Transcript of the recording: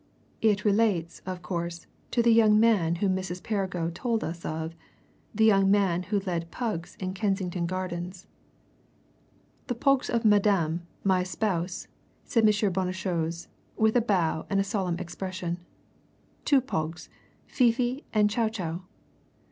It relates, of course to the young man whom Mrs. Perrigo told us of the young man who led pugs in Kensington Gardens." "The pogs of Madame, my spouse," said M. Bonnechose, with a bow and a solemn expression. "Two pogs Fifi and Chou Chou."